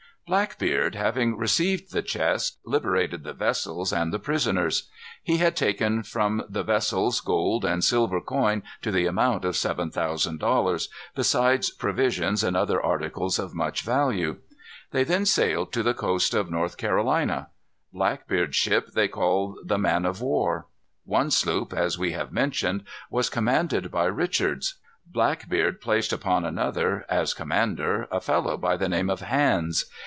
Blackbeard, having received the chest, liberated the vessels and the prisoners. He had taken from the vessels gold and silver coin to the amount of seven thousand dollars, besides provisions and other articles of much value. They then sailed to the coast of North Carolina. Blackbeard's ship they called the Man of War. One sloop, as we have mentioned, was commanded by Richards. Blackbeard placed upon another, as commander, a fellow by the name of Hands.